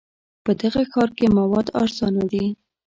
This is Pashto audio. په دغه ښار کې مواد ارزانه دي.